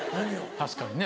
確かにね。